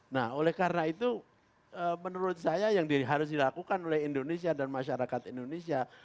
nah oleh karena itu menurut saya yang harus dilakukan oleh indonesia dan masyarakat indonesia